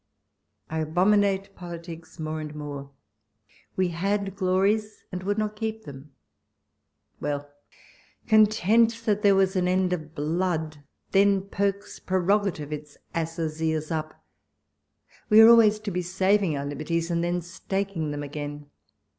I abominate politics more and more ; we had gloi ies, and would not keep them : well ! content, that there was an end of blood ; then perks prerogative its ass's ears up ; we are always to be saving our liberties, and then staking them again